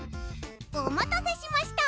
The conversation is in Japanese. お待たせしました！